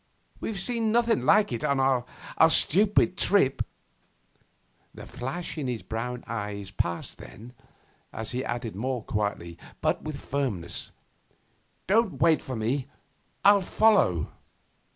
We've seen nothing like it all our stupid trip.' The flash in his brown eyes passed then, as he added more quietly, but with firmness: 'Don't wait for me; I'll follow.